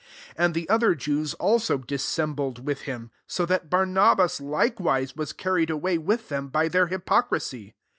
13 And the other Jews also dissembled with him ; so that Barnabas likewise was carried away with them by their hypocrisy.